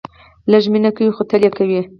لږ مینه کوئ ، خو تل یې کوئ